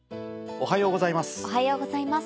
おはようございます。